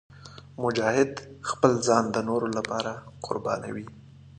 مجاهد خپل ځان د نورو لپاره قربانوي.